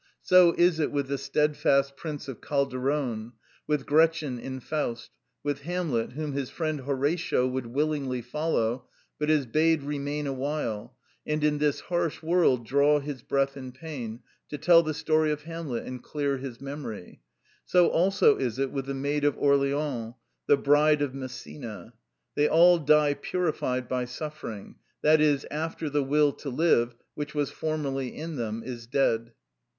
So is it with the steadfast prince of Calderon; with Gretchen in "Faust;" with Hamlet, whom his friend Horatio would willingly follow, but is bade remain a while, and in this harsh world draw his breath in pain, to tell the story of Hamlet, and clear his memory; so also is it with the Maid of Orleans, the Bride of Messina; they all die purified by suffering, i.e., after the will to live which was formerly in them is dead.